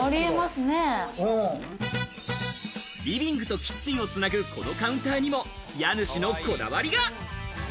リビングとキッチンをつなぐこのカウンターにも家主のこだわりが。